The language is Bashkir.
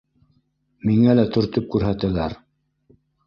Миңә лә төртөп күрһәтәләр